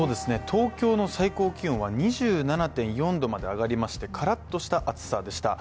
東京の最高気温は２７．４度まで上がりましてカラッとした暑さでした。